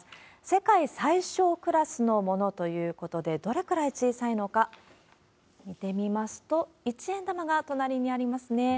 世界最小クラスのものということで、どれくらい小さいのか見てみますと、一円玉が隣にありますね。